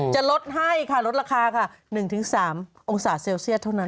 จะลดให้ค่ะลดราคาค่ะ๑๓องศาเซลเซียสเท่านั้น